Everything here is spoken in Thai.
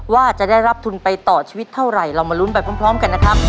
ว่าจะได้รับทุนไปต่อชีวิตเท่าไหร่เรามาลุ้นไปพร้อมกันนะครับ